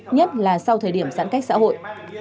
nhất là sau thời điểm giãn cách xã hội